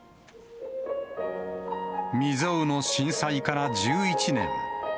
未曽有の震災から１１年。